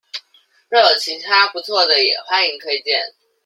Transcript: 若有其他不錯的也歡迎推薦